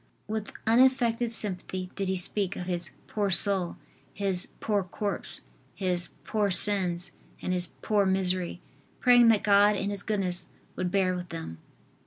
With unaffected sympathy did he speak of his "poor soul," his "poor corpse" his "poor sins" and his "poor misery," praying that God in His goodness would bear with them.